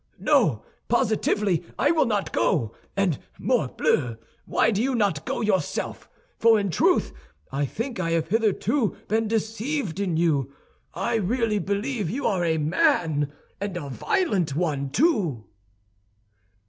No, positively I will not go. And, morbleu, why do you not go yourself? For in truth, I think I have hitherto been deceived in you. I really believe you are a man, and a violent one, too."